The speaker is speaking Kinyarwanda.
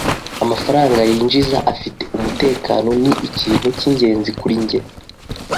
Amafaranga yinjiza afite umutekano ni ikintu cyingenzi kuri njye.